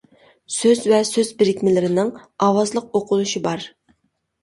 سۆز ۋە سۆز بىرىكمىلىرىنىڭ ئاۋازلىق ئوقۇلۇشى بار.